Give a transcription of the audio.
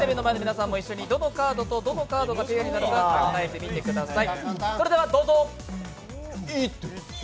テレビの前の皆さんも、一緒にどのカードとどのカードがペアになるか考えてください。